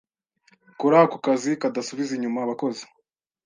Kora ako kazi kadasubiza inyuma abakozi